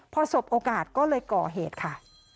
พอสบโอกาสก็เลยก่อเหตุค่ะ